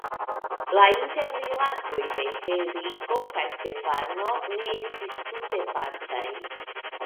La interrilatoj de Henriko kaj Stefano ne estis tute pacaj.